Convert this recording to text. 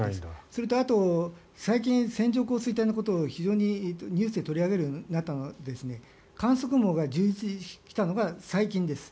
それと、最近線状降水帯のことを非常にニュースで取り上げるようになったのは観測網が充実してきたのが最近です。